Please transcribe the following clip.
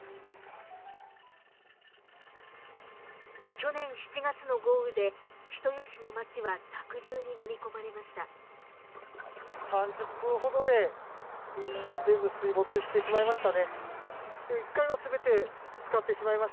去年７月の豪雨で人吉の町は濁流にのみ込まれました。